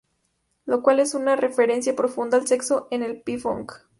Lo cual es una referencia profunda al sexo en el P-Funk.